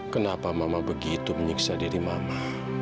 kenapa mama begitu menyiksa diri mama